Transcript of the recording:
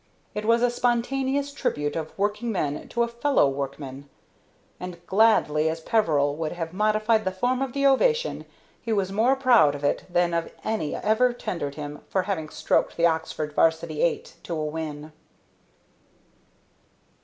It was a spontaneous tribute of working men to a fellow workman; and, gladly as Peveril would have modified the form of the ovation, he was more proud of it than of any ever tendered him for having stroked the Oxford 'varsity eight to a win.